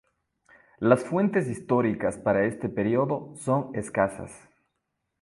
Las fuentes históricas para este periodo son escasas.